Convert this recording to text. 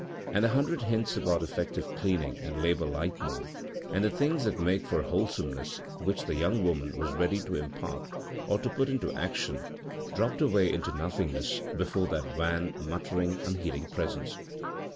And the hundred hints about effective cleaning and labour lightening and the things that make for wholesomeness which the young woman was ready to impart or to put into action dropped away into nothingness before that wan, muttering, unheeding presence.